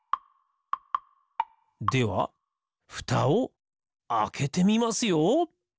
ではふたをあけてみますよ！